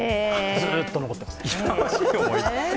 ずーっと残ってます。